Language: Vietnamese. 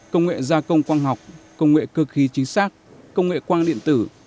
công nghệ gia công quang học công nghệ cơ khí chính xác công nghệ quang điện tử